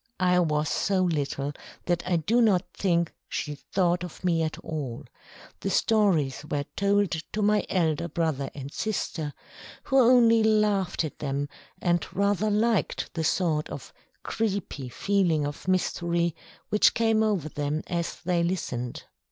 I was so little that I do not think she thought of me at all; the stories were told to my elder brother and sister, who only laughed at them, and rather liked the sort of "creepy" feeling of mystery which came over them as they listened.